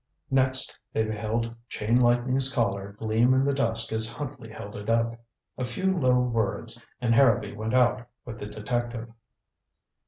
Next they beheld Chain Lightning's Collar gleam in the dusk as Huntley held it up. A few low words, and Harrowby went out with the detective.